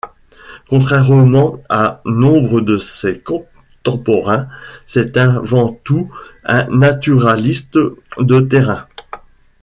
Contrairement à nombre de ses contemporains, c'est avant tout un naturaliste de terrain.